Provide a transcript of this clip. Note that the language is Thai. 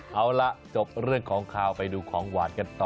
เอาล่ะจบเรื่องของข่าวไปดูของหวานกันต่อ